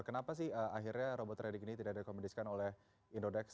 kenapa sih akhirnya robot trading ini tidak direkomendisikan oleh indodex